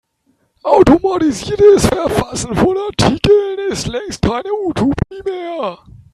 Automatisiertes Verfassen von Artikeln ist längst keine Utopie mehr.